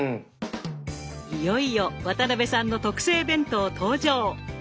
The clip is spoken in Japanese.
いよいよ渡辺さんの特製弁当登場！